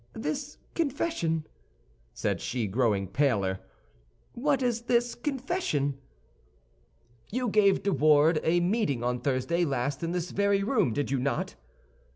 "This confession," said she, growing paler, "what is this confession?" "You gave De Wardes a meeting on Thursday last in this very room, did you not?"